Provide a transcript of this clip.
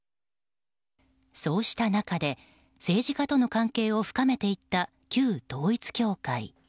そうした中で政治家との関係を深めていった旧統一教会。